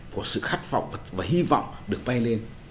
của sự khát vọng và hy vọng được bay lên